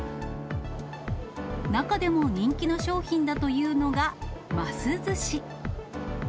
中でも人気の商品だというのが、ますずし。